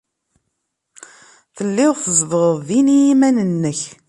Tellid tzedɣed din i yiman-nnek.